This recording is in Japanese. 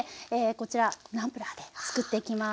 こちらナンプラーでつくっていきます。